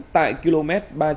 tại km ba trăm bốn mươi ba